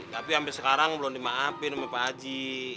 tapi sampe sekarang belum dimaafin sama pak aji